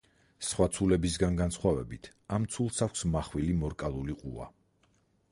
სხვა ცულებისაგან განსხვავებით, ამ ცულს აქვს მახვილი, მორკალური ყუა.